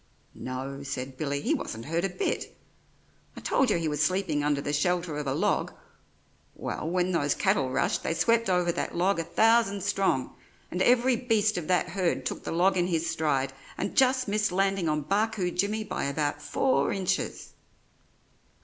"No," said Billy, "he wasn't hurt a bit. I told you he was sleeping under the shelter of a log. Well, when those cattle rushed they swept over that log a thousand strong; and every beast of that herd took the log in his stride and just missed landing on Barcoo Jimmy by about four inches."